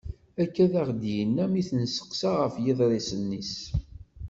Akka i aɣ-d-yenna mi i t-nesteqsa ɣef yiḍrisen-is.